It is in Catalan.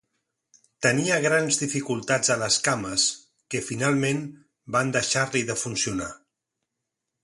Tenia grans dificultats a les cames, que finalment van deixar-li de funcionar.